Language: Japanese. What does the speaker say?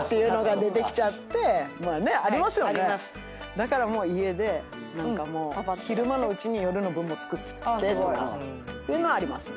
だからもう家で昼間のうちに夜の分も作ってとかっていうのはありますね。